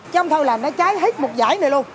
chống cháy lan nó cháy hết một giải này luôn